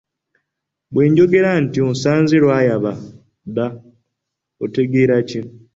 Bwe njogera nti osanze lwayaba dda otegeera ki?